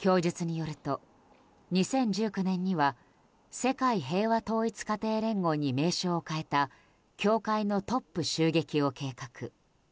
供述によると、２０１９年には世界平和統一家庭連合に名称を変えた教会のトップ襲撃を計画。